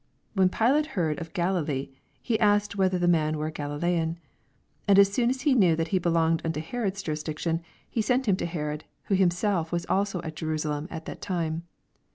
6 When Pihite heard of Galilee, be asked whether the man were a Galiltean, 7 And as soon as he knew that he belonged uuto Uerod's jurisdiction. he sent him to Herod, who himself also was at Jerusalem at that time.